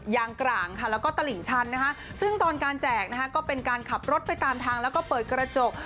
กลางค่ะแล้วก็ตลิ่งชันนะคะซึ่งตอนการแจกนะคะก็เป็นการขับรถไปตามทางแล้วก็เปิดกระจก